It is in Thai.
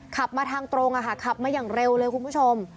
ขับมาทางตรงขับมาอย่างเร็วเลยคุณผู้ชม